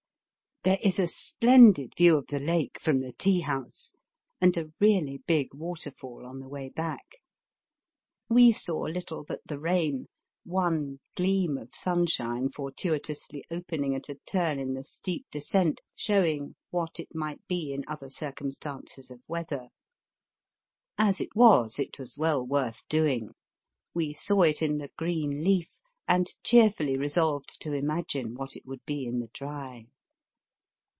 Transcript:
There is a splendid view of the lake from the tea house, and a really big waterfall on the way back. We saw little but the rain, one gleam of sunshine fortuitously opening at a turn in the steep Digitized by VjOOQIC THE TOBffBS OP THE SHOGUNS. 267 descent showing what it might be in other circumstances of weather. As it was, it was well worth doing. We saw it in the green leaf, and cheerfully resolved to imagine what it would be in the dry.